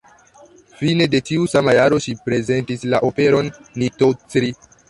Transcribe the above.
Fine de tiu sama jaro ŝi prezentis la operon "Nitocri".